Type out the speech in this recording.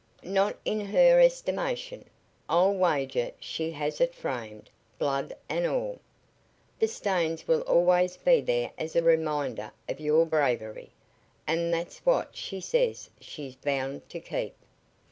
"Not in her estimation. I'll wager she has it framed, blood and all. The stains will always be there as a reminder of your bravery, and that's what she says she's bound to keep.